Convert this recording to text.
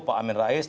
pak amin rais